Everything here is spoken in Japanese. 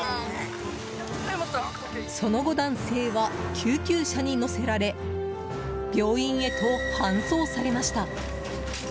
その後、男性は救急車に乗せられ病院へと搬送されました。